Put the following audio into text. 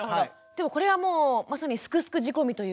でもこれはもうまさに「すくすく」仕込みというか。